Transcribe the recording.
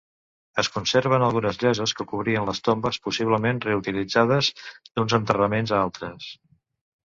Es conserven algunes lloses que cobrien les tombes, possiblement reutilitzades d'uns enterraments a altres.